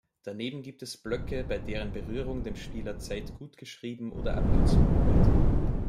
Daneben gibt es Blöcke, bei deren Berührung dem Spieler Zeit gutgeschrieben oder abgezogen wird.